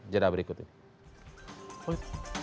jadwal berikut ini